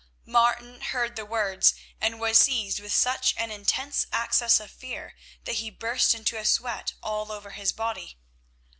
Martin heard the words, and was seized with such an intense access of fear that he burst into a sweat all over his body.